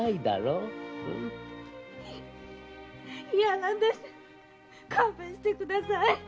嫌なんです勘弁してください。